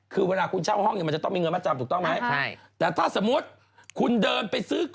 คือเวลาคุณเช่าห้องมันจะต้องมีเงินมาจำถูกต้องไหม